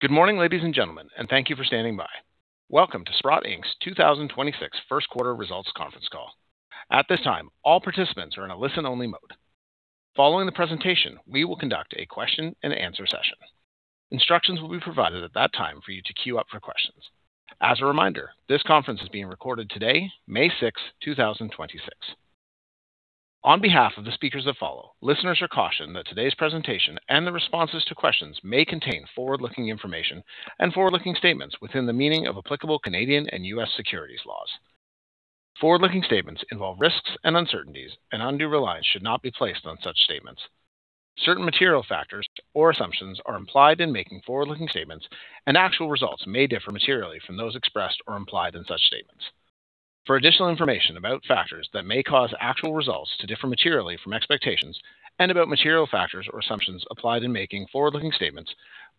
Good morning, ladies and gentlemen, thank you for standing by. Welcome to Sprott, Inc.'s 2026 first quarter results conference call. At this time, all participants are in a listen-only mode. Following the presentation, we will conduct a question and answer session. Instructions will be provided at that time for you to queue up for questions. As a reminder, this conference is being recorded today, May 6, 2026. On behalf of the speakers that follow, listeners are cautioned that today's presentation and the responses to questions may contain forward-looking information and forward-looking statements within the meaning of applicable Canadian and U.S. securities laws. Forward-looking statements involve risks and uncertainties. Undue reliance should not be placed on such statements. Certain material factors or assumptions are implied in making forward-looking statements. Actual results may differ materially from those expressed or implied in such statements. For additional information about factors that may cause actual results to differ materially from expectations and about material factors or assumptions applied in making forward-looking statements,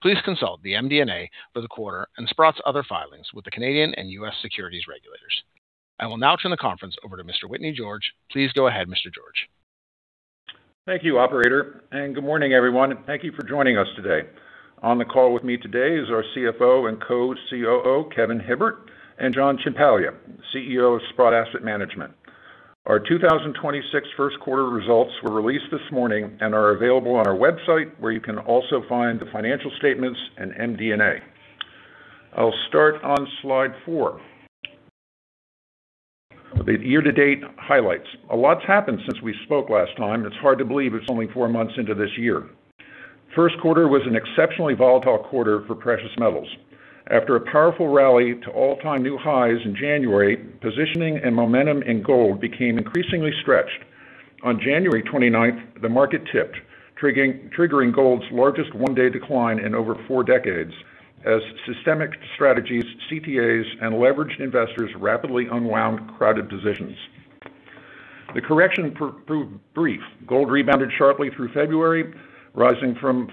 please consult the MD&A for the quarter and Sprott's other filings with the Canadian and U.S. securities regulators. I will now turn the conference over to Mr. Whitney George. Please go ahead, Mr. George. Thank you, operator, and good morning, everyone. Thank you for joining us today. On the call with me today is our CFO and Co-COO, Kevin Hibbert, and John Ciampaglia, CEO of Sprott Asset Management. Our 2026 first quarter results were released this morning and are available on our website, where you can also find the financial statements and MD&A. I'll start on slide four. The year-to-date highlights. A lot's happened since we spoke last time. It's hard to believe it's only four months into this year. First quarter was an exceptionally volatile quarter for precious metals. After a powerful rally to all-time new highs in January, positioning and momentum in gold became increasingly stretched. On January 29th, the market tipped, triggering gold's largest one-day decline in over four decades as systemic strategies, CTAs, and leveraged investors rapidly unwound crowded positions. The correction proved brief. Gold rebounded sharply through February, rising from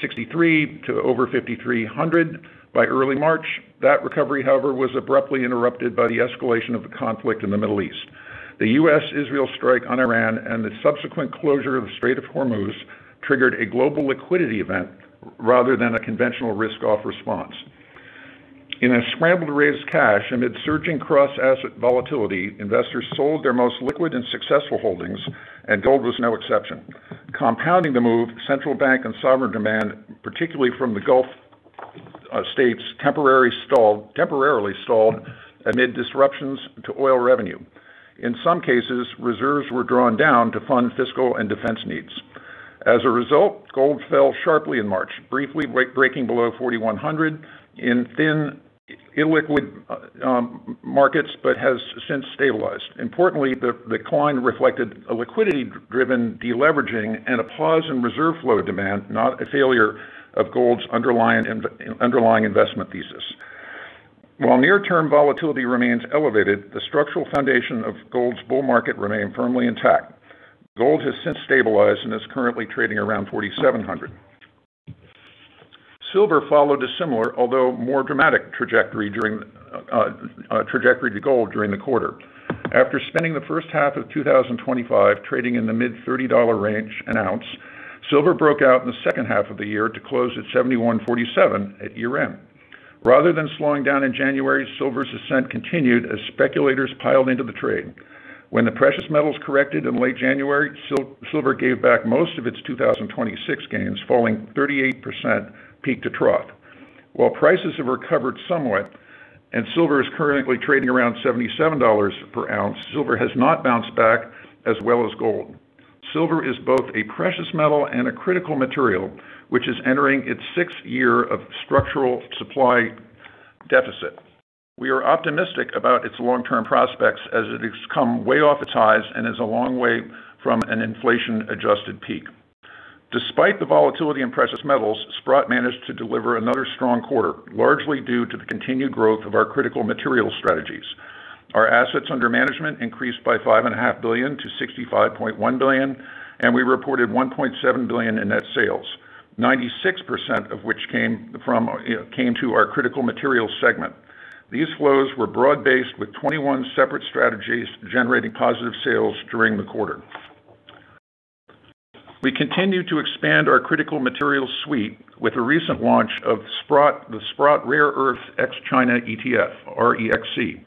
$4,663 to over $5,300 by early March. That recovery, however, was abruptly interrupted by the escalation of the conflict in the Middle East. The U.S.-Israel strike on Iran and the subsequent closure of the Strait of Hormuz triggered a global liquidity event rather than a conventional risk-off response. In a scramble to raise cash amid surging cross-asset volatility, investors sold their most liquid and successful holdings, and gold was no exception. Compounding the move, central bank and sovereign demand, particularly from the Gulf states, temporarily stalled amid disruptions to oil revenue. In some cases, reserves were drawn down to fund fiscal and defense needs. As a result, gold fell sharply in March, briefly breaking below $4,100 in thin illiquid markets but has since stabilized. Importantly, the decline reflected a liquidity-driven deleveraging and a pause in reserve flow demand, not a failure of gold's underlying investment thesis. While near-term volatility remains elevated, the structural foundation of gold's bull market remain firmly intact. Gold has since stabilized and is currently trading around $4,700. Silver followed a similar, although more dramatic trajectory to gold during the quarter. After spending the first half of 2025 trading in the mid $30 range an ounce, silver broke out in the second half of the year to close at $71.47 at year-end. Rather than slowing down in January, silver's ascent continued as speculators piled into the trade. When the precious metals corrected in late January, silver gave back most of its 2026 gains, falling 38% peak to trough. While prices have recovered somewhat and silver is currently trading around $77 per ounce, silver has not bounced back as well as gold. Silver is both a precious metal and a critical material, which is entering its sixth year of structural supply deficit. We are optimistic about its long-term prospects as it has come way off its highs and is a long way from an inflation-adjusted peak. Despite the volatility in precious metals, Sprott managed to deliver another strong quarter, largely due to the continued growth of our critical material strategies. Our Assets Under Management increased by $5.5 billion to $65.1 billion, and we reported $1.7 billion in net sales, 96% of which came from, you know, came to our critical materials segment. These flows were broad-based, with 21 separate strategies generating positive sales during the quarter. We continue to expand our critical materials suite with the recent launch of Sprott, the Sprott Rare Earths Ex-China ETF, REXC.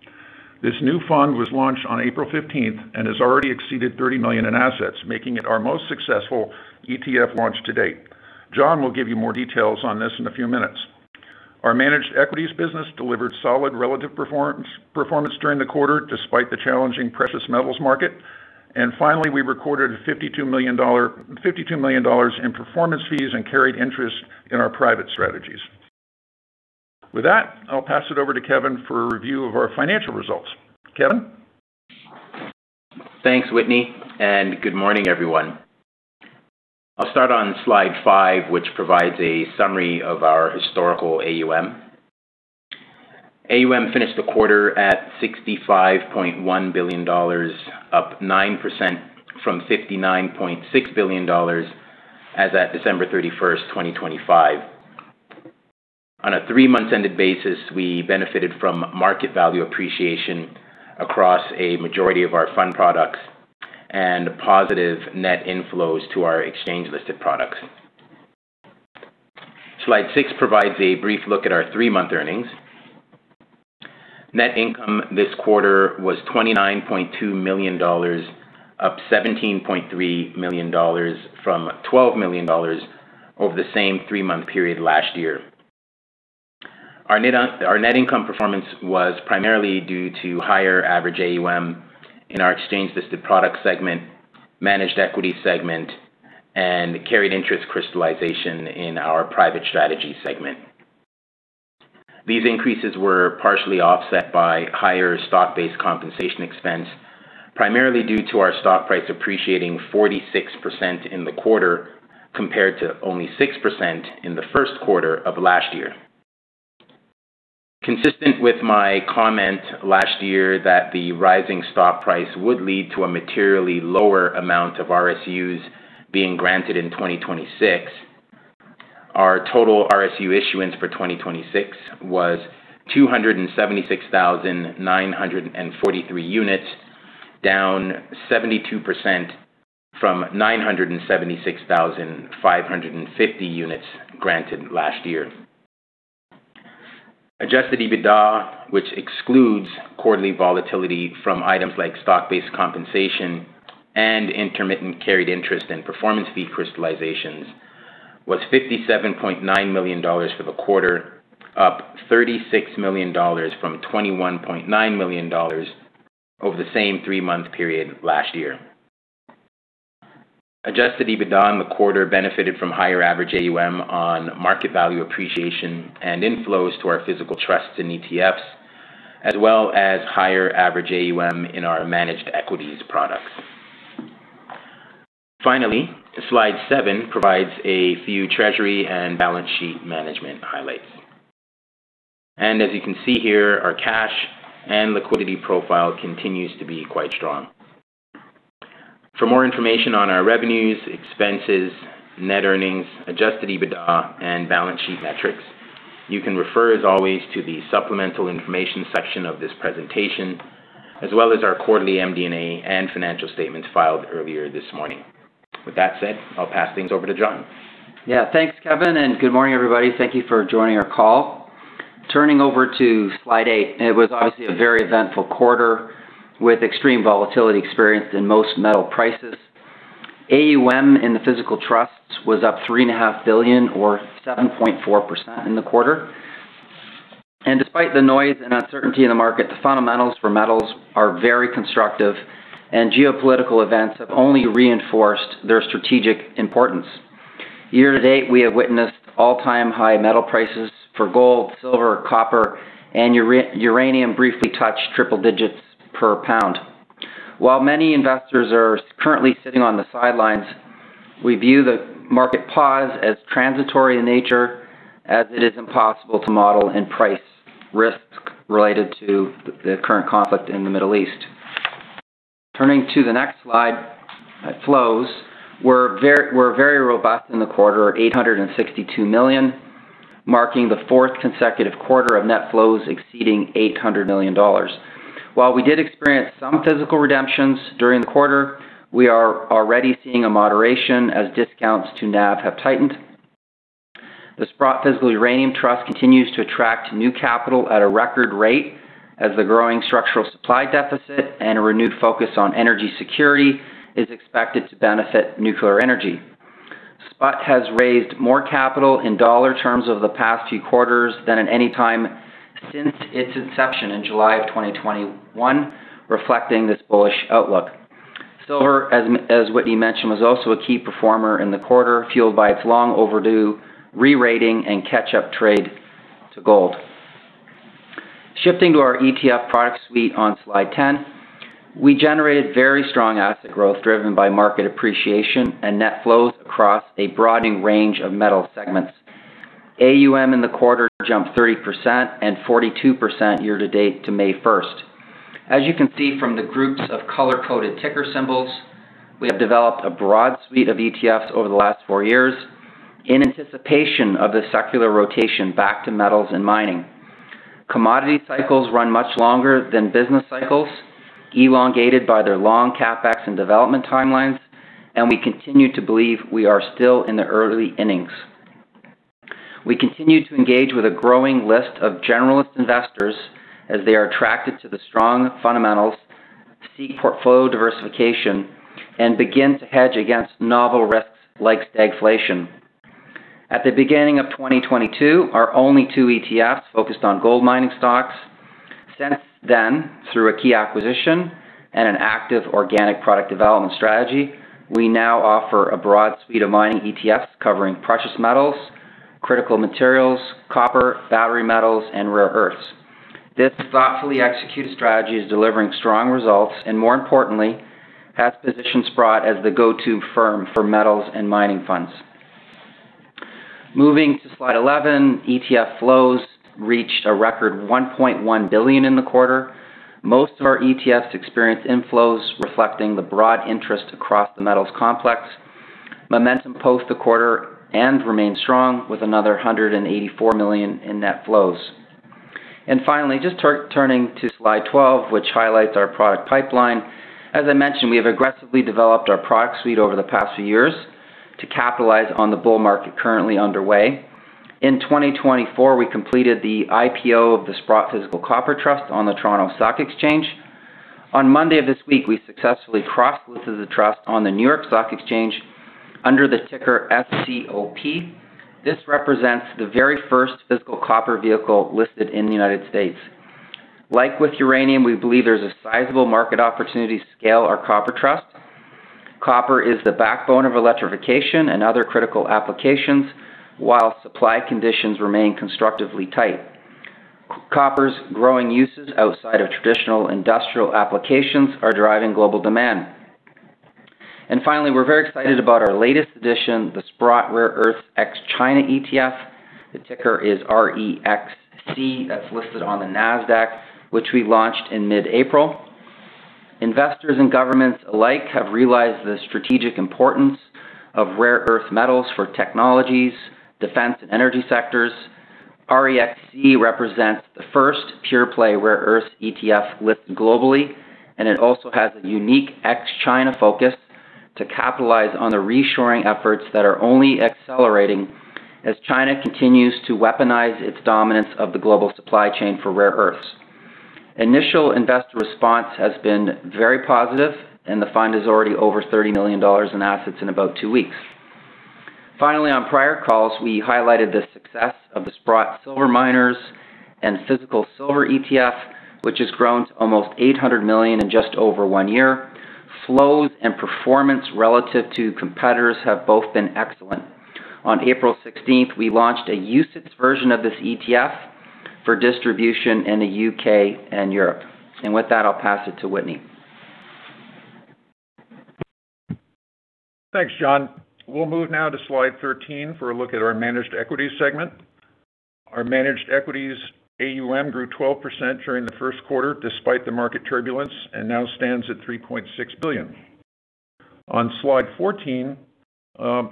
This new fund was launched on April 15th and has already exceeded $30 million in assets, making it our most successful ETF launch to date. John will give you more details on this in a few minutes. Our managed equities business delivered solid relative performance during the quarter, despite the challenging precious metals market. Finally, we recorded $52 million in performance fees and carried interest in our private strategies. With that, I'll pass it over to Kevin for a review of our financial results. Kevin? Thanks, Whitney. Good morning, everyone. I'll start on slide five, which provides a summary of our historical AUM. AUM finished the quarter at $65.1 billion, up 9% from $59.6 billion as at December 31st, 2025. On a three-month ended basis, we benefited from market value appreciation across a majority of our fund products and positive net inflows to our exchange-listed products. Slide six provides a brief look at our three-month earnings. Net income this quarter was $29.2 million, up $17.3 million from $12 million over the same three-month period last year. Our net income performance was primarily due to higher average AUM in our exchange-listed product segment, managed equity segment, and carried interest crystallization in our private strategy segment. These increases were partially offset by higher stock-based compensation expense, primarily due to our stock price appreciating 46% in the quarter compared to only 6% in the first quarter of last year. Consistent with my comment last year that the rising stock price would lead to a materially lower amount of RSUs being granted in 2026, our total RSU issuance for 2026 was 276,943 units, down 72% from 976,550 units granted last year. Adjusted EBITDA, which excludes quarterly volatility from items like stock-based compensation and intermittent carried interest and performance fee crystallizations, was $57.9 million for the quarter, up $36 million from $21.9 million over the same three-month period last year. Adjusted EBITDA in the quarter benefited from higher average AUM on market value appreciation and inflows to our physical trusts and ETFs, as well as higher average AUM in our managed equities products. Finally, slide seven provides a few treasury and balance sheet management highlights. As you can see here, our cash and liquidity profile continues to be quite strong. For more information on our revenues, expenses, net earnings, adjusted EBITDA, and balance sheet metrics, you can refer, as always, to the supplemental information section of this presentation, as well as our quarterly MD&A and financial statements filed earlier this morning. With that said, I'll pass things over to John. Yeah. Thanks, Kevin, good morning, everybody. Thank you for joining our call. Turning over to slide eight, it was obviously a very eventful quarter with extreme volatility experienced in most metal prices. AUM in the physical trusts was up $3.5 billion or 7.4% in the quarter. Despite the noise and uncertainty in the market, the fundamentals for metals are very constructive, and geopolitical events have only reinforced their strategic importance. Year to date, we have witnessed all-time high metal prices for gold, silver, copper, and uranium briefly touched triple digits per pound. While many investors are currently sitting on the sidelines, we view the market pause as transitory in nature, as it is impossible to model and price risk related to the current conflict in the Middle East. Turning to the next slide, flows were very robust in the quarter at $862 million, marking the fourth consecutive quarter of net flows exceeding $800 million. While we did experience some physical redemptions during the quarter, we are already seeing a moderation as discounts to NAV have tightened. The Sprott Physical Uranium Trust continues to attract new capital at a record rate as the growing structural supply deficit and a renewed focus on energy security is expected to benefit nuclear energy. SPUT has raised more capital in dollar terms over the past few quarters than at any time since its inception in July of 2021, reflecting this bullish outlook. Silver, as Whitney mentioned, was also a key performer in the quarter, fueled by its long overdue re-rating and catch-up trade to gold. Shifting to our ETF product suite on slide 10, we generated very strong asset growth driven by market appreciation and net flows across a broadening range of metal segments. AUM in the quarter jumped 30% and 42% year to date to May 1st. As you can see from the groups of color-coded ticker symbols, we have developed a broad suite of ETFs over the last four years in anticipation of the secular rotation back to metals and mining. Commodity cycles run much longer than business cycles, elongated by their long CapEx and development timelines, and we continue to believe we are still in the early innings. We continue to engage with a growing list of generalist investors as they are attracted to the strong fundamentals, seek portfolio diversification, and begin to hedge against novel risks like stagflation. At the beginning of 2022, our only two ETFs focused on gold mining stocks. Since then, through a key acquisition and an active organic product development strategy, we now offer a broad suite of mining ETFs covering precious metals, critical materials, copper, battery metals, and rare earths. This thoughtfully executed strategy is delivering strong results, and more importantly, has positioned Sprott as the go-to firm for metals and mining funds. Moving to slide 11, ETF flows reached a record $1.1 billion in the quarter. Most of our ETFs experienced inflows reflecting the broad interest across the metals complex. Momentum post the quarter and remained strong with another $184 million in net flows. Finally, turning to slide 12, which highlights our product pipeline. As I mentioned, we have aggressively developed our product suite over the past few years to capitalize on the bull market currently underway. In 2024, we completed the IPO of the Sprott Physical Copper Trust on the Toronto Stock Exchange. On Monday of this week, we successfully cross-listed the trust on the New York Stock Exchange under the ticker SCOP. This represents the very first physical copper vehicle listed in the U.S. Like with uranium, we believe there's a sizable market opportunity to scale our copper trust. Copper is the backbone of electrification and other critical applications, while supply conditions remain constructively tight. Copper's growing uses outside of traditional industrial applications are driving global demand. Finally, we're very excited about our latest addition, the Sprott Rare Earths Ex-China ETF. The ticker is REXC, that's listed on the Nasdaq, which we launched in mid-April. Investors and governments alike have realized the strategic importance of rare earth metals for technologies, defense, and energy sectors. REXC represents the first pure play rare earth ETF listed globally. It also has a unique ex-China focus to capitalize on the reshoring efforts that are only accelerating as China continues to weaponize its dominance of the global supply chain for rare earths. Initial investor response has been very positive. The fund is already over $30 million in assets in about two weeks. Finally, on prior calls, we highlighted the success of the Sprott Silver Miners & Physical Silver ETF, which has grown to almost $800 million in just over one year. Flows and performance relative to competitors have both been excellent. On April 16th, we launched a UCITS version of this ETF for distribution in the U.K. and Europe. With that, I'll pass it to Whitney. Thanks, John. We'll move now to slide 13 for a look at our managed equity segment. Our Managed Equities AUM grew 12% during the first quarter, despite the market turbulence, and now stands at $3.6 billion. On slide 14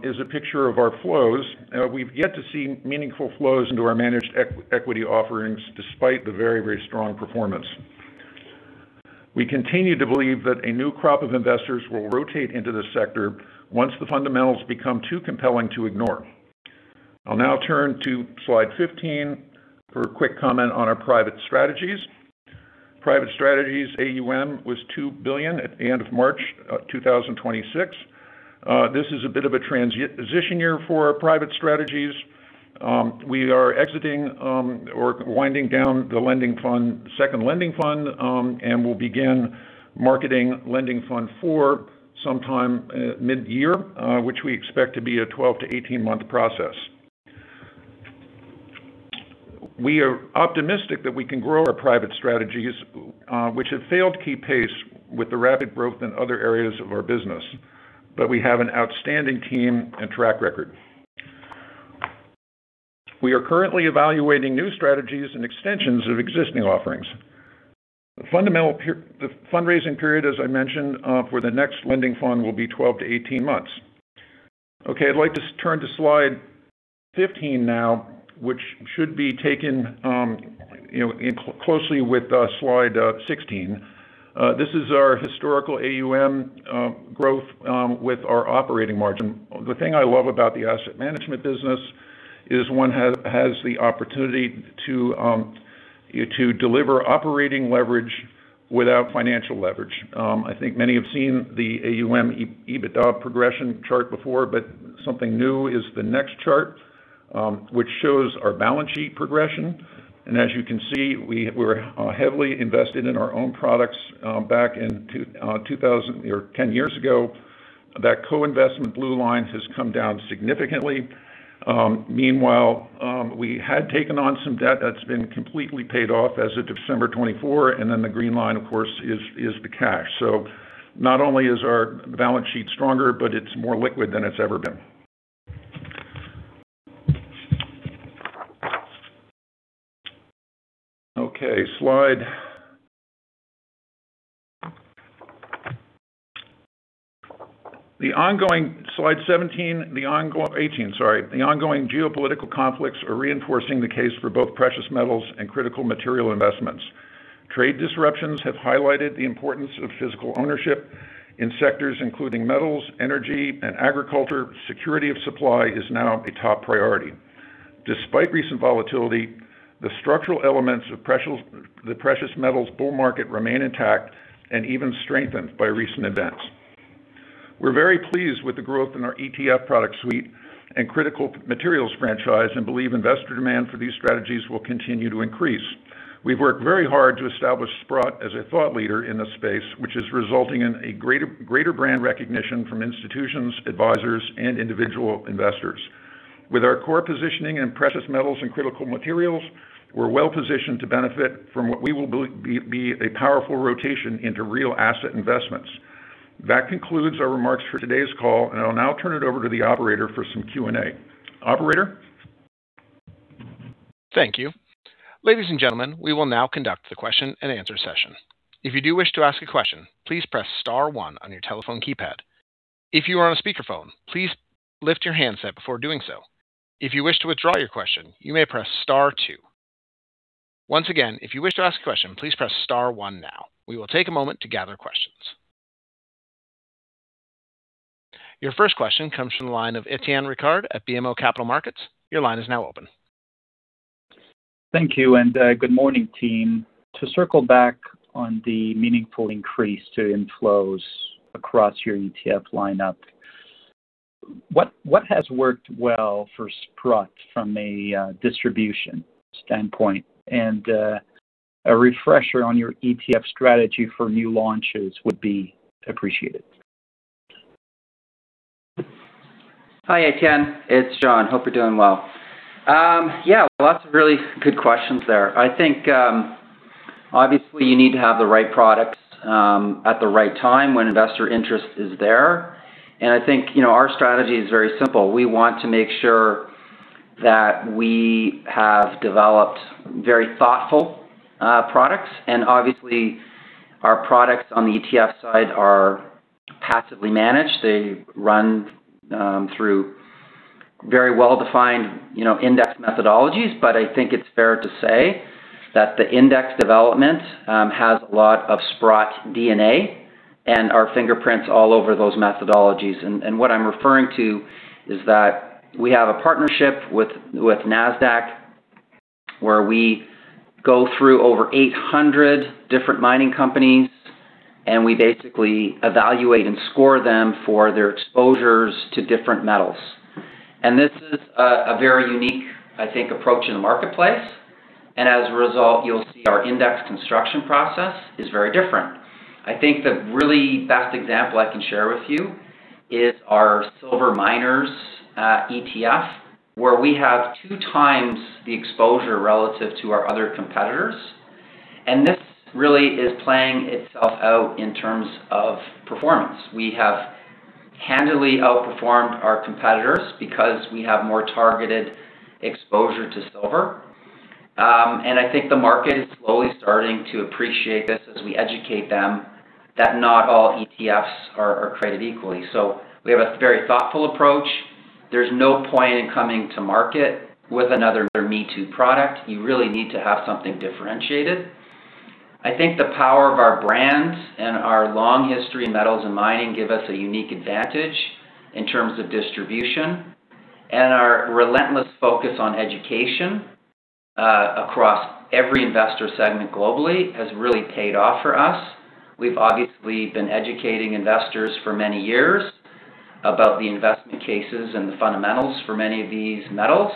is a picture of our flows. We've yet to see meaningful flows into our managed equity offerings, despite the very, very strong performance. We continue to believe that a new crop of investors will rotate into this sector once the fundamentals become too compelling to ignore. I'll now turn to slide 15 for a quick comment on our private strategies. Private Strategies AUM was $2 billion at the end of March 2026. This is a bit of a transition year for our private strategies. We are exiting, or winding down the lending fund, Lending Fund II, and we'll begin marketing Lending Fund IV sometime mid-year, which we expect to be a 12-18 month process. We are optimistic that we can grow our private strategies, which have failed to keep pace with the rapid growth in other areas of our business. We have an outstanding team and track record. We are currently evaluating new strategies and extensions of existing offerings. The fundamental fundraising period, as I mentioned, for the next lending fund will be 12-18 months. Okay, I'd like to turn to slide 15 now, which should be taken, you know, closely with slide 16. This is our historical AUM growth with our operating margin. The thing I love about the asset management business is one has the opportunity to deliver operating leverage without financial leverage. I think many have seen the AUM EBITDA progression chart before, but something new is the next chart, which shows our balance sheet progression. As you can see, we're heavily invested in our own products, back in 2000 or 10 years ago. That co-investment blue lines has come down significantly. Meanwhile, we had taken on some debt that's been completely paid off as of December 2024, the green line, of course, is the cash. Not only is our balance sheet stronger, but it's more liquid than it's ever been. Okay, slide. The ongoing Slide 17, 18, sorry. The ongoing geopolitical conflicts are reinforcing the case for both precious metals and critical material investments. Trade disruptions have highlighted the importance of physical ownership in sectors including metals, energy, and agriculture. Security of supply is now a top priority. Despite recent volatility, the structural elements of the precious metals bull market remain intact and even strengthened by recent events. We're very pleased with the growth in our ETF product suite and critical materials franchise and believe investor demand for these strategies will continue to increase. We've worked very hard to establish Sprott as a thought leader in this space, which is resulting in a greater brand recognition from institutions, advisors, and individual investors. With our core positioning in precious metals and critical materials, we're well-positioned to benefit from what we will be a powerful rotation into real asset investments. That concludes our remarks for today's call. I'll now turn it over to the operator for some Q&A. Operator? Thank you. Ladies and gentlemen, we will now conduct the question and answer session. If you do wish to ask a question, please press star one on your telephone keypad. If you are on a speakerphone, please lift your handset before doing so. If you wish to withdraw your question, you may press star two. Once again, if you wish to ask a question, please press star one now. We will take a moment to gather questions. Your first question comes from the line of Étienne Ricard at BMO Capital Markets. Your line is now open. Thank you, and good morning, team. To circle back on the meaningful increase to inflows across your ETF lineup, what has worked well for Sprott from a distribution standpoint? A refresher on your ETF strategy for new launches would be appreciated. Hi, Étienne. It's John. Hope you're doing well. Yeah, lots of really good questions there. I think, obviously you need to have the right products at the right time when investor interest is there. I think, you know, our strategy is very simple. We want to make sure that we have developed very thoughtful products. Obviously, our products on the ETF side are passively managed. They run through very well-defined, you know, index methodologies. I think it's fair to say that the index development has a lot of Sprott DNA and our fingerprints all over those methodologies. What I'm referring to is that we have a partnership with Nasdaq, where we go through over 800 different mining companies, and we basically evaluate and score them for their exposures to different metals. This is a very unique, I think, approach in the marketplace. As a result, you'll see our index construction process is very different. I think the really best example I can share with you is our silver miners ETF, where we have 2x the exposure relative to our other competitors. This really is playing itself out in terms of performance. We have handily outperformed our competitors because we have more targeted exposure to silver. I think the market is slowly starting to appreciate this as we educate them that not all ETFs are created equally. We have a very thoughtful approach. There's no point in coming to market with another me-too product. You really need to have something differentiated. I think the power of our brands and our long history in metals and mining give us a unique advantage in terms of distribution. Our relentless focus on education across every investor segment globally has really paid off for us. We've obviously been educating investors for many years about the investment cases and the fundamentals for many of these metals.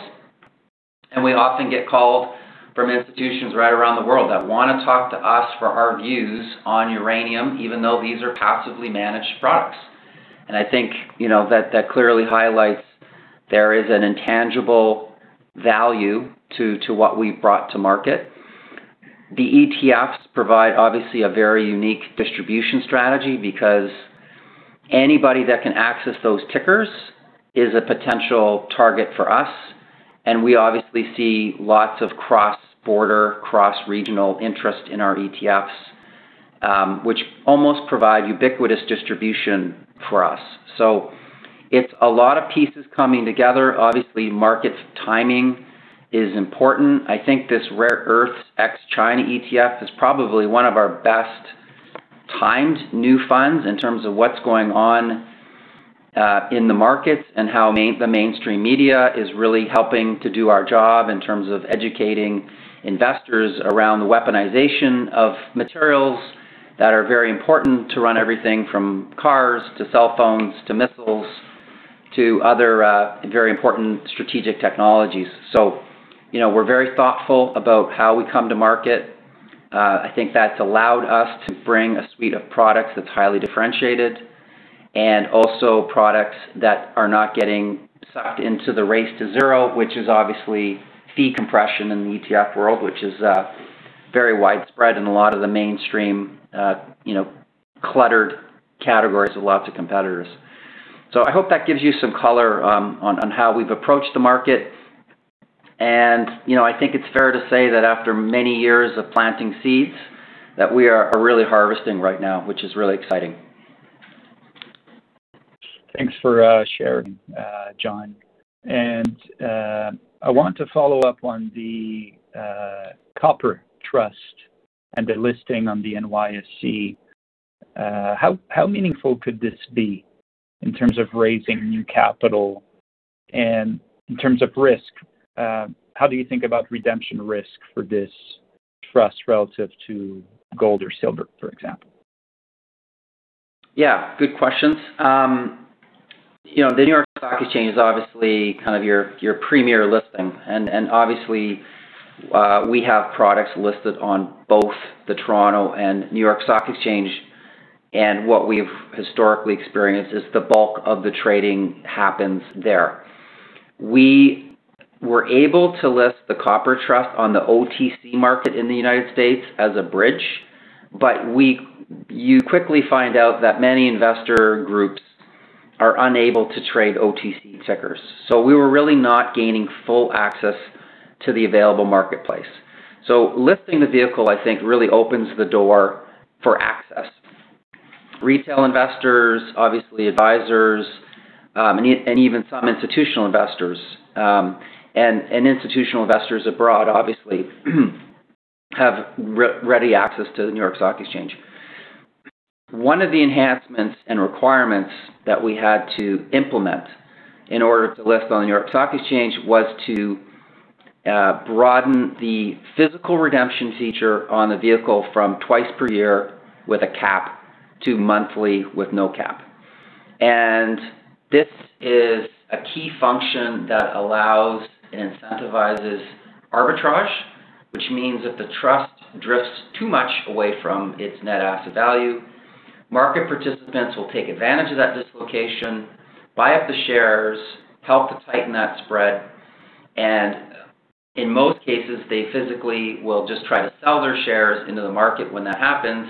We often get called from institutions right around the world that wanna talk to us for our views on uranium, even though these are passively managed products. I think, you know, that clearly highlights there is an intangible value to what we've brought to market. The ETFs provide obviously a very unique distribution strategy because anybody that can access those tickers is a potential target for us. We obviously see lots of cross-border, cross-regional interest in our ETFs, which almost provide ubiquitous distribution for us. It's a lot of pieces coming together. Obviously, market timing is important. I think this Rare Earths Ex-China ETF is probably one of our best-timed new funds in terms of what's going on in the markets and how the mainstream media is really helping to do our job in terms of educating investors around the weaponization of materials that are very important to run everything from cars to cell phones to missiles to other very important strategic technologies. You know, we're very thoughtful about how we come to market. I think that's allowed us to bring a suite of products that's highly differentiated and also products that are not getting sucked into the race to zero, which is obviously fee compression in the ETF world, which is very widespread in a lot of the mainstream, you know, cluttered categories with lots of competitors. I hope that gives you some color on how we've approached the market. You know, I think it's fair to say that after many years of planting seeds, that we are really harvesting right now, which is really exciting. Thanks for sharing, John. I want to follow up on the copper trust and the listing on the NYSE. How meaningful could this be in terms of raising new capital? In terms of risk, how do you think about redemption risk for this trust relative to gold or silver, for example? Yeah. Good questions. You know, the New York Stock Exchange is obviously kind of your premier listing. Obviously, we have products listed on both the Toronto and New York Stock Exchange. What we've historically experienced is the bulk of the trading happens there. We were able to list the copper trust on the OTC market in the United States as a bridge, you quickly find out that many investor groups are unable to trade OTC tickers. We were really not gaining full access to the available marketplace. Lifting the vehicle, I think, really opens the door for access. Retail investors, obviously advisors, and even some institutional investors, and institutional investors abroad obviously have ready access to the New York Stock Exchange. One of the enhancements and requirements that we had to implement in order to list on the New York Stock Exchange was to broaden the physical redemption feature on the vehicle from twice per year with a cap to monthly with no cap. This is a key function that allows and incentivizes arbitrage, which means if the trust drifts too much away from its net asset value, market participants will take advantage of that dislocation, buy up the shares, help to tighten that spread, and in most cases, they physically will just try to sell their shares into the market when that happens.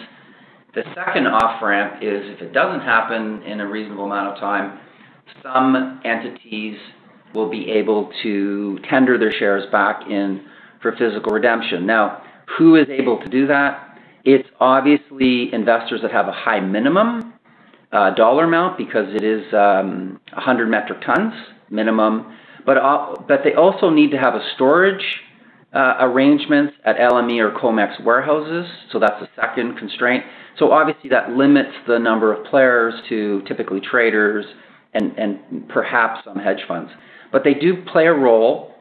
The second off-ramp is if it doesn't happen in a reasonable amount of time, some entities will be able to tender their shares back in for physical redemption. Who is able to do that? It's obviously investors that have a high minimum dollar amount because it is 100 metric tons minimum, but they also need to have a storage arrangement at LME or COMEX warehouses, so that's a second constraint. Obviously, that limits the number of players to typically traders and perhaps some hedge funds. They do play a role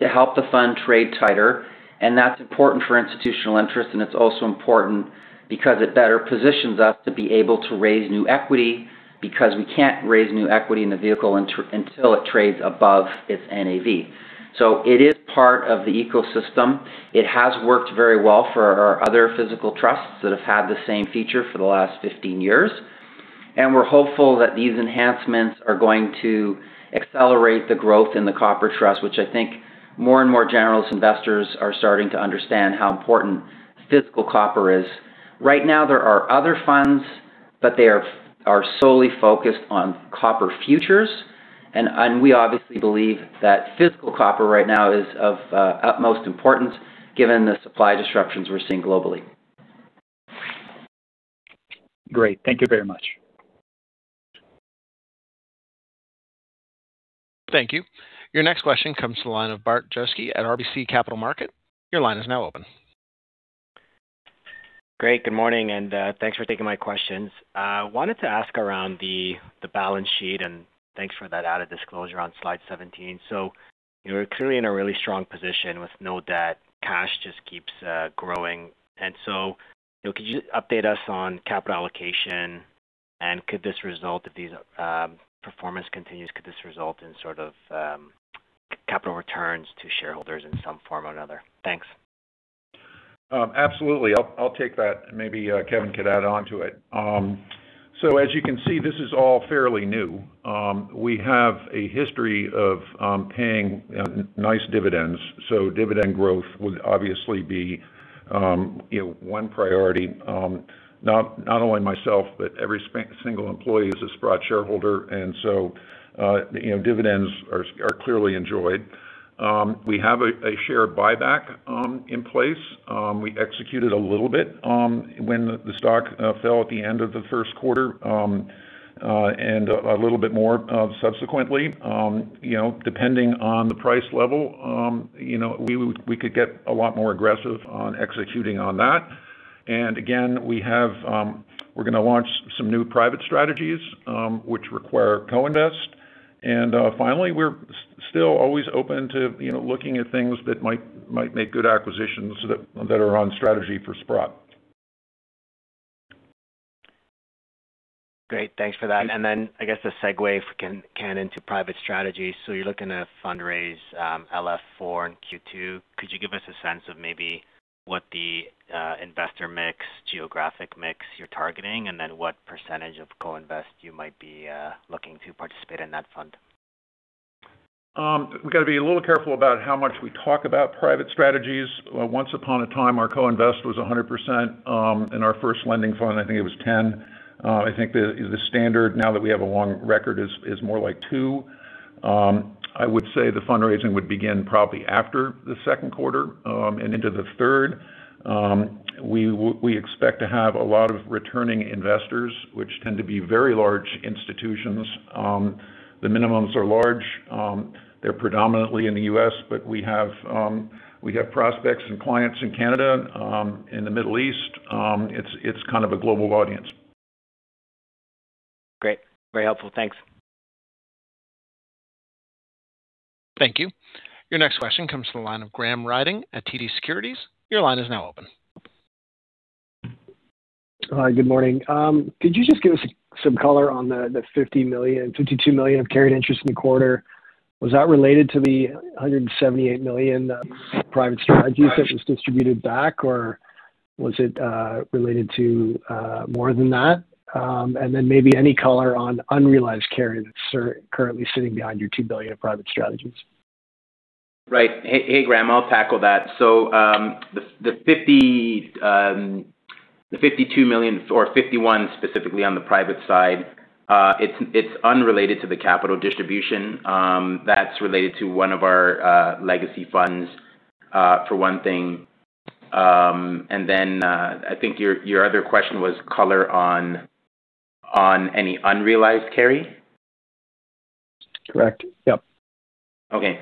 to help the fund trade tighter, and that's important for institutional interest, and it's also important because it better positions us to be able to raise new equity because we can't raise new equity in the vehicle until it trades above its NAV. It is part of the ecosystem. It has worked very well for our other physical trusts that have had the same feature for the last 15 years. We're hopeful that these enhancements are going to accelerate the growth in the copper trust, which I think more and more general investors are starting to understand how important physical copper is. Right now, there are other funds, but they are solely focused on copper futures, and we obviously believe that physical copper right now is of utmost importance given the supply disruptions we're seeing globally. Great. Thank you very much. Thank you. Your next question comes to the line of Bart Dziarski at RBC Capital Markets. Your line is now open. Great. Good morning, thanks for taking my questions. Wanted to ask around the balance sheet, thanks for that added disclosure on slide 17. You're clearly in a really strong position with no debt. Cash just keeps growing. You know, could you update us on capital allocation, and could this result if these performance continues, could this result in sort of capital returns to shareholders in some form or another? Thanks. Absolutely. I'll take that, and maybe Kevin could add on to it. As you can see, this is all fairly new. We have a history of paying nice dividends. Dividend growth would obviously be, you know, one priority. Not only myself, but every single employee is a Sprott shareholder. You know, dividends are clearly enjoyed. We have a share buyback in place. We executed a little bit when the stock fell at the end of the first quarter, and a little bit more subsequently. You know, depending on the price level, you know, we could get a lot more aggressive on executing on that. Again, we have We're gonna launch some new private strategies, which require co-invest. Finally, we're still always open to, you know, looking at things that might make good acquisitions that are on strategy for Sprott. Great. Thanks for that. I guess the segue if we can into private strategy. You're looking to fundraise LF IV in Q2. Could you give us a sense of maybe what the investor mix, geographic mix you're targeting, and then what percentage of co-invest you might be looking to participate in that fund? We gotta be a little careful about how much we talk about private strategies. Once upon a time, our co-invest was 100%. In our first lending fund, I think it was 10%. I think the standard now that we have a long record is more like 2%. I would say the fundraising would begin probably after the second quarter and into the third. We expect to have a lot of returning investors, which tend to be very large institutions. The minimums are large. They're predominantly in the U.S., but we have prospects and clients in Canada, in the Middle East. It's kind of a global audience. Great. Very helpful. Thanks. Thank you. Your next question comes from the line of Graham Ryding at TD Securities. Your line is now open. Hi, good morning. Could you just give us some color on the $50 million-$52 million of carried interest in the quarter? Was that related to the $178 million private strategies that was distributed back, or was it related to more than that? Maybe any color on unrealized carry that's currently sitting behind your $2 billion of private strategies. Right. Hey, hey Graham, I'll tackle that. The $52 million, or $51 million specifically on the private side, it's unrelated to the capital distribution. That's related to one of our legacy funds, for one thing. I think your other question was color on any unrealized carry? Correct. Yep. Okay.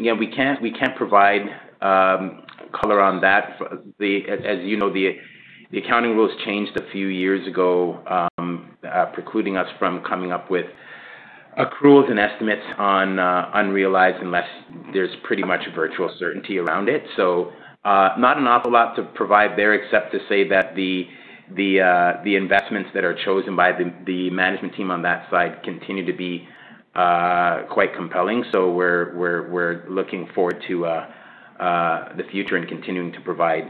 Yeah, we can't, we can't provide color on that. As you know, the accounting rules changed a few years ago, precluding us from coming up with accruals and estimates on unrealized unless there's pretty much virtual certainty around it. Not an awful lot to provide there except to say that the investments that are chosen by the management team on that side continue to be quite compelling. We're looking forward to the future and continuing to provide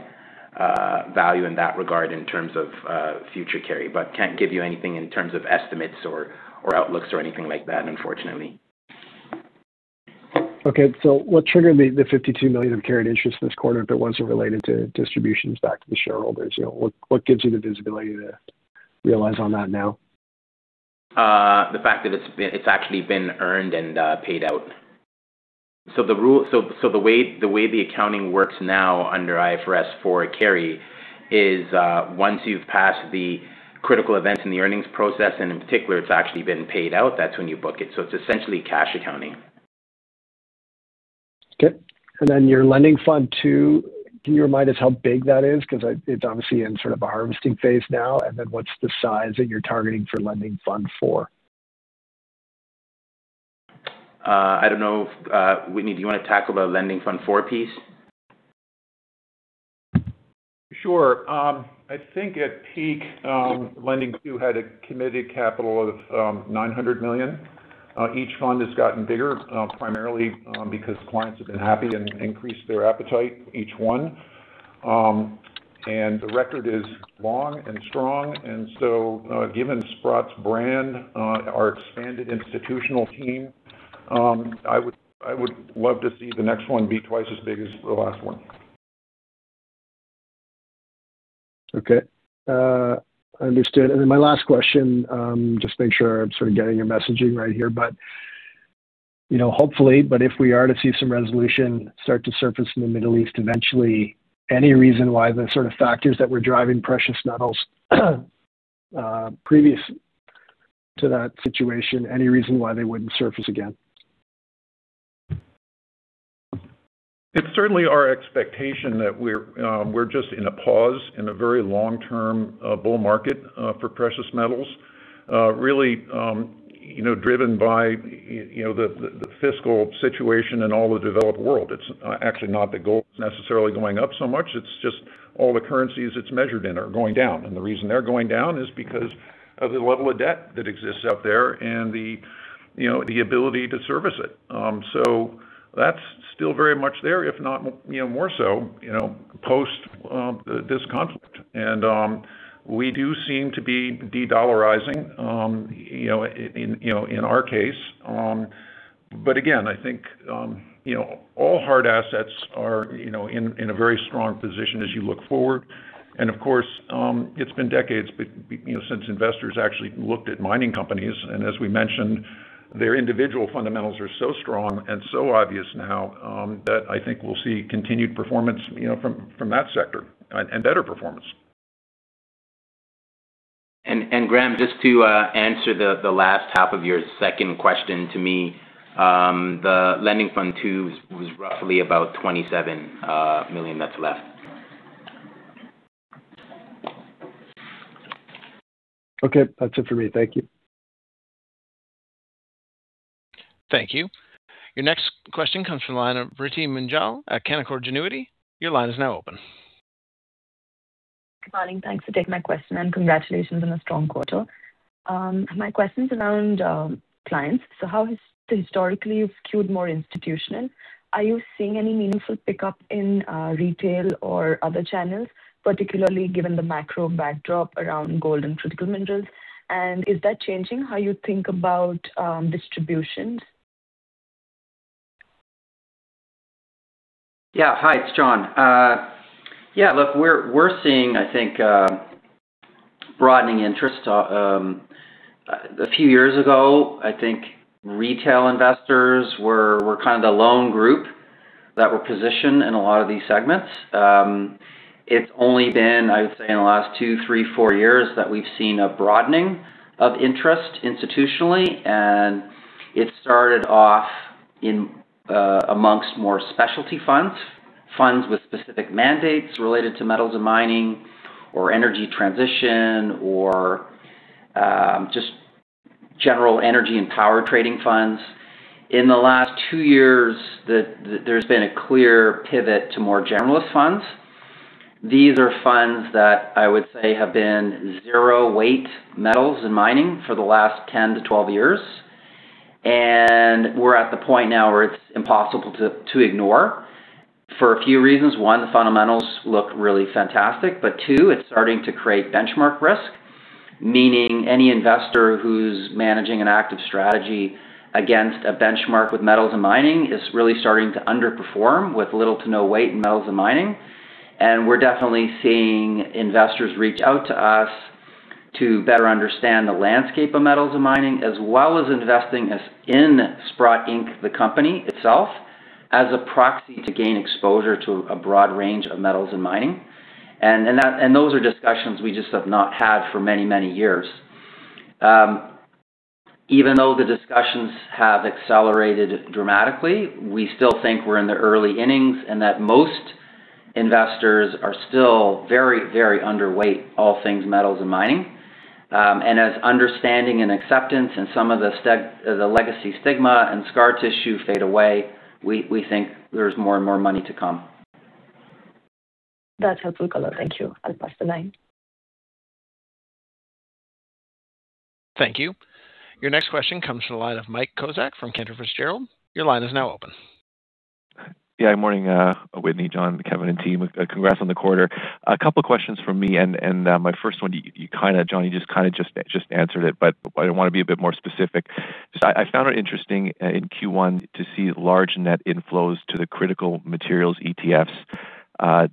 value in that regard in terms of future carry. Can't give you anything in terms of estimates or outlooks or anything like that, unfortunately. What triggered the $52 million of carried interest this quarter if it wasn't related to distributions back to the shareholders? You know, what gives you the visibility to realize on that now? The fact that it's been it's actually been earned and paid out. The way the accounting works now under IFRS for carry is, once you've passed the critical events in the earnings process, and in particular it's actually been paid out, that's when you book it. It's essentially cash accounting. Okay. Then your Lending Fund II, can you remind us how big that is? Because it's obviously in sort of a harvesting phase now. Then what's the size that you're targeting for Lending Fund IV? I don't know if Whitney, do you wanna tackle the Lending Fund IV piece? Sure. I think at peak, Lending Fund II had a committed capital of $900 million. Each fund has gotten bigger, primarily because clients have been happy and increased their appetite, each one. The record is long and strong. Given Sprott's brand, our expanded institutional team, I would love to see the next one be twice as big as the last one. Okay. Understood. My last question, just make sure I'm sort of getting your messaging right here. Hopefully, if we are to see some resolution start to surface in the Middle East eventually, any reason why the sort of factors that were driving precious metals, previous to that situation, any reason why they wouldn't surface again? It's certainly our expectation that we're just in a pause in a very long-term bull market for precious metals. Really, you know, driven by, you know, the fiscal situation in all the developed world. It's actually not that gold's necessarily going up so much, it's just all the currencies it's measured in are going down. The reason they're going down is because of the level of debt that exists out there and the, you know, the ability to service it. So that's still very much there, if not, you know, more so, you know, post this conflict. We do seem to be de-dollarizing, you know, in, you know, in our case. Again, I think, you know, all hard assets are, you know, in a very strong position as you look forward. Of course, it's been decades, you know, since investors actually looked at mining companies. As we mentioned, their individual fundamentals are so strong and so obvious now, that I think we'll see continued performance, you know, from that sector and better performance. Graham, just to answer the last half of your second question to me, the Lending Fund II was roughly about $27 million that's left. Okay. That's it for me. Thank you. Thank you. Your next question comes from the line of Vritti Munjal at Canaccord Genuity. Your line is now open. Good morning. Thanks for taking my question, and congratulations on a strong quarter. My question's around clients. How has the historically skewed more institutional, are you seeing any meaningful pickup in retail or other channels, particularly given the macro backdrop around gold and critical minerals? Is that changing how you think about distributions? Hi, it's John. Look, we're seeing, I think, broadening interest. A few years ago, I think retail investors were kind of the lone group that were positioned in a lot of these segments. It's only been, I would say, in the last two, three, four years that we've seen a broadening of interest institutionally, it started off amongst more specialty funds with specific mandates related to metals and mining or energy transition or just general energy and power trading funds. In the last two years, there's been a clear pivot to more generalist funds. These are funds that I would say have been zero weight metals and mining for the last 10-12 years. We're at the point now where it's impossible to ignore for a few reasons. One, the fundamentals look really fantastic. Two, it's starting to create benchmark risk. Meaning any investor who's managing an active strategy against a benchmark with metals and mining is really starting to underperform with little to no weight in metals and mining. We're definitely seeing investors reach out to us to better understand the landscape of metals and mining, as well as investing as in Sprott, Inc., the company itself, as a proxy to gain exposure to a broad range of metals and mining. Those are discussions we just have not had for many, many years. Even though the discussions have accelerated dramatically, we still think we're in the early innings and that most investors are still very, very underweight all things metals and mining. As understanding and acceptance and some of the legacy stigma and scar tissue fade away, we think there's more and more money to come. That's helpful color. Thank you. I'll pass the line. Thank you. Your next question comes from the line of Mike Kozak from Cantor Fitzgerald. Your line is now open. Yeah. Morning, Whitney, John, Kevin, and team. Congrats on the quarter. A couple of questions from me. My first one, John, you just answered it. I wanna be a bit more specific. I found it interesting in Q1 to see large net inflows to the critical materials ETFs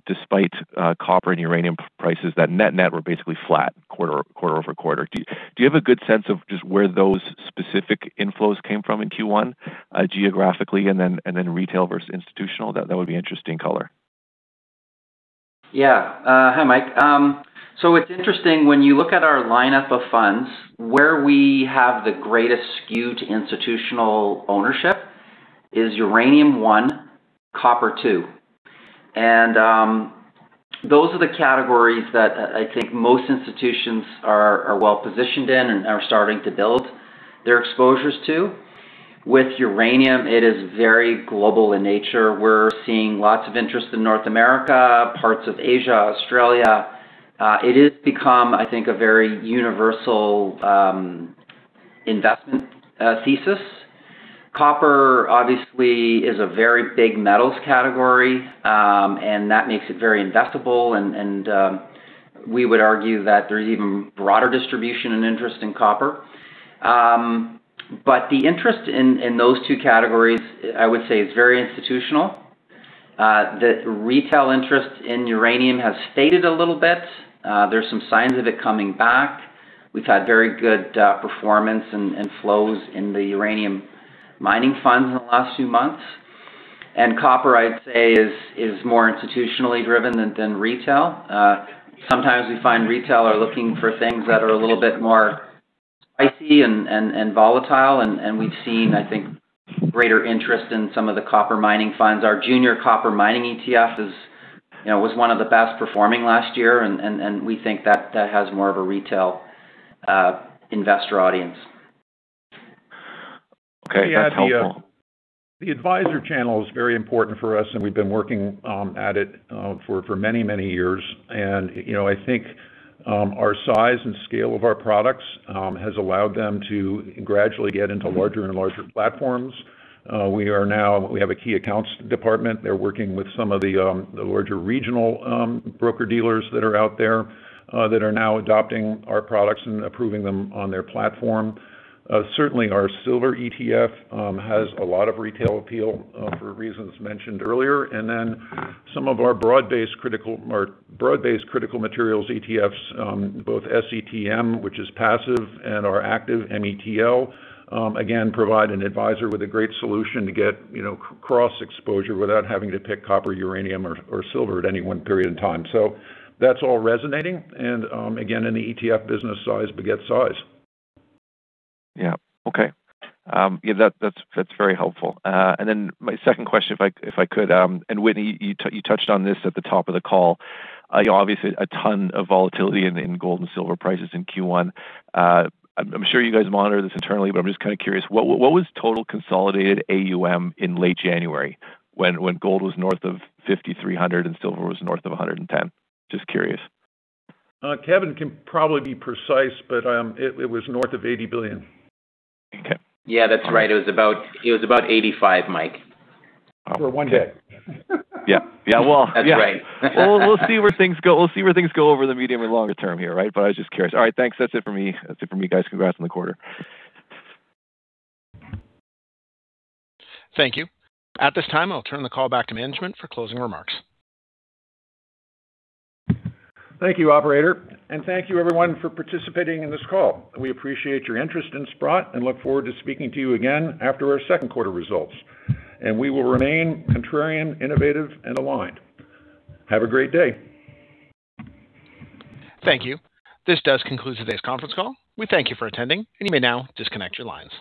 despite copper and uranium prices that net-net were basically flat quarter-over-quarter. Do you have a good sense of just where those specific inflows came from in Q1 geographically and then retail versus institutional? That would be interesting color. Hi, Mike. It's interesting when you look at our lineup of funds, where we have the greatest skew to institutional ownership is uranium one, copper two. Those are the categories that I think most institutions are well positioned in and are starting to build their exposures to. With uranium, it is very global in nature. We're seeing lots of interest in North America, parts of Asia, Australia. It has become, I think, a very universal investment thesis. Copper obviously is a very big metals category, and that makes it very investable and we would argue that there's even broader distribution and interest in copper. The interest in those two categories, I would say, is very institutional. The retail interest in uranium has faded a little bit. There's some signs of it coming back. We've had very good performance and flows in the uranium mining funds in the last few months. Copper, I'd say, is more institutionally driven than retail. Sometimes we find retail are looking for things that are a little bit more spicy and volatile. We've seen, I think, greater interest in some of the copper mining funds. Our junior copper mining ETF is, you know, was one of the best performing last year, and we think that has more of a retail investor audience. Okay. That's helpful. Yeah. The advisor channel is very important for us, and we've been working at it for many, many years. You know, I think our size and scale of our products has allowed them to gradually get into larger and larger platforms. We have a key accounts department. They're working with some of the larger regional broker-dealers that are out there that are now adopting our products and approving them on their platform. Certainly our silver ETF has a lot of retail appeal for reasons mentioned earlier. Some of our broad-based critical materials ETFs, both SETM, which is passive, and our active METL, again, provide an advisor with a great solution to get, you know, cross exposure without having to pick copper, uranium or silver at any one period in time. That's all resonating and, again, in the ETF business size begets size. Yeah. Okay. Yeah, that's very helpful. My second question, if I could, Whitney, you touched on this at the top of the call. Obviously a ton of volatility in gold and silver prices in Q1. I'm sure you guys monitor this internally, but I'm just kinda curious, what was total consolidated AUM in late January when gold was north of $5,300 and silver was north of $110? Just curious. Kevin can probably be precise, but it was north of $80 billion. Okay. Yeah, that's right. It was about $85 billion, Mike. For one day. Yeah. That's right. We'll see where things go over the medium or longer term here, right? I was just curious. All right. Thanks. That's it for me. That's it for me, guys. Congrats on the quarter. Thank you. At this time, I'll turn the call back to management for closing remarks. Thank you, operator. Thank you everyone for participating in this call. We appreciate your interest in Sprott and look forward to speaking to you again after our second quarter results. We will remain contrarian, innovative, and aligned. Have a great day. Thank you. This does conclude today's conference call. We thank you for attending, and you may now disconnect your lines.